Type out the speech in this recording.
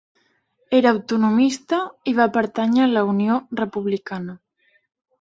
Era autonomista, i va pertànyer a la Unió Republicana.